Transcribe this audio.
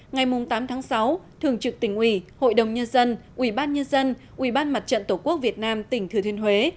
ngày tám tháng sáu thường trực tỉnh ủy hội đồng nhân dân ubnd ubnd tổ quốc việt nam tỉnh thừa thuyền huế